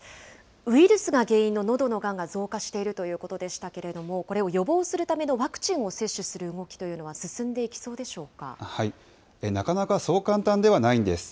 ウイルスが原因ののどのがんが増加しているということでしたけれども、これを予防するためのワクチンを接種する動きというのは、なかなかそう簡単ではないんです。